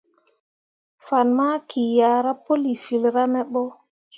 Fan maki ah ra pəli filra me ɓo.